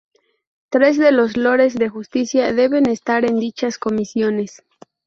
Tres de los lores de justicia deben estar en dichas comisiones.